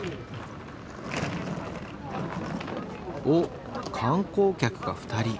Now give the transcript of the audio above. おっ観光客が２人。